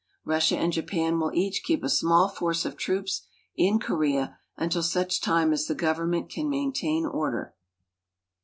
Russia and Japan will each keep a small force of troops in Korea until such time as the government can maintain order.